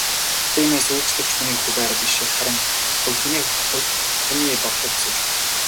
Тиймээс үйлчлэгч хүний хувиар биш харин хувь хүний хувьд таны бодлыг асууж байна.